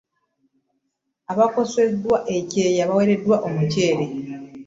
Abaakosebwa ekyeya baweereddwa omuccere.